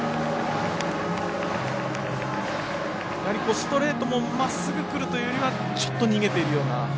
ストレートもまっすぐくるというよりはちょっと逃げているような。